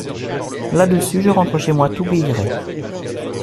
Là-dessus, je rentre chez moi tout guilleret.